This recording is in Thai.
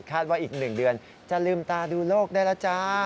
ว่าอีก๑เดือนจะลืมตาดูโลกได้แล้วจ้า